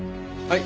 はい。